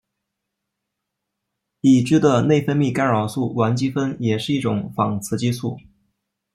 已知的内分泌干扰素烷基酚也是一种仿雌激素。